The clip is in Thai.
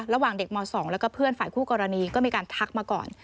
ระหว่างเด็กม๒แล้วก็เพื่อนฝ่ายคู่กรณีก็มีการทักมาก่อน